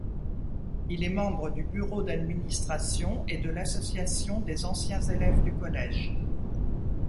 Il est membre du Bureau d'Administration et de l'Association des anciens élèves du Collège.